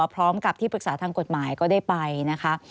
พร้อมกับที่ปรึกษาทางกฎหมายก็ได้ไปนะคะ